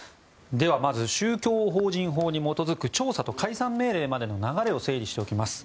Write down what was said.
ではまず宗教法人法に基づく調査と解散命令までの流れを整理しておきます。